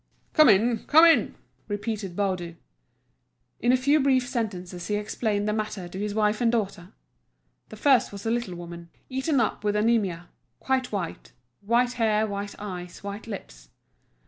"Come in, come in," repeated Baudu. In a few brief sentences he explained the matter to his wife and daughter. The first was a little woman, eaten up with anaemia, quite white—white hair, white eyes, white lips.